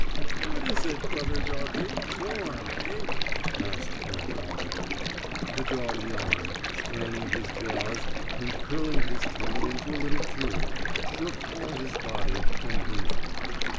"What is it, brother doggie? Warm, eh?" asked grandfather. The dog yawned, straining his jaws and curling his tongue into a little tube, shook all his body, and whimpered.